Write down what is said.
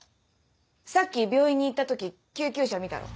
さっき病院に行った時救急車見たろ。